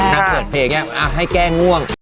นางเปิดเพลงให้แก้ง่วง